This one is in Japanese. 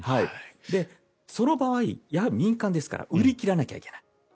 その場合、やはり民間ですから売り切らないといけない。